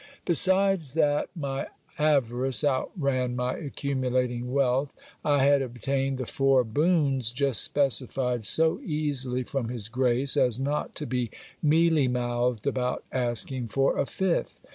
Besides that my avarice outran my accumulating wealth, I had obtained the four boons just specified so easily from his grace, as not to be mealy mouthed about asking for a fifth.